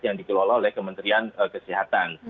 yang dikelola oleh kementerian kesehatan